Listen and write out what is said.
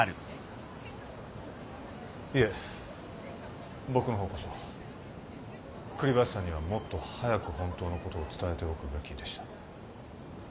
いえ僕の方こそ栗林さんにはもっと早く本当のことを伝えておくべきでした。